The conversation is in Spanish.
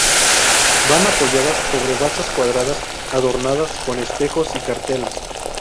Van apoyadas sobre basas cuadradas adornadas con espejos y cartelas.